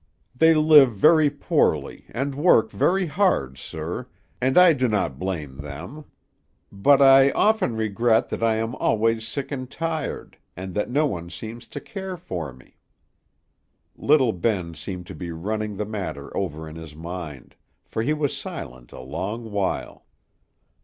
They live very poorly, and work very hard, sir, and I do not blame them; but I often regret that I am always sick and tired, and that no one seems to care for me." Little Ben seemed to be running the matter over in his mind, for he was silent a long while.